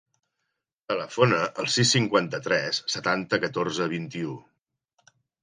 Telefona al sis, cinquanta-tres, setanta, catorze, vint-i-u.